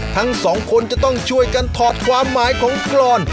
ทั้งสองคนจะต้องช่วยกันถอดความหมายของกรอน